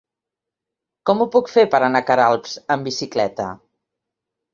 Com ho puc fer per anar a Queralbs amb bicicleta?